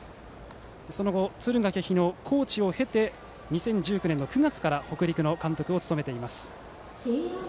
その後、敦賀気比のコーチを経て２０１９年の９月から北陸の監督を務めています。